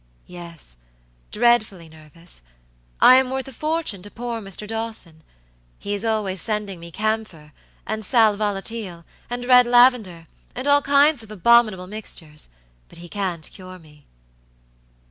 "Yes, dreadfully nervous. I am worth a fortune to poor Mr. Dawson. He is always sending me camphor, and sal volatile, and red lavender, and all kinds of abominable mixtures, but he can't cure me."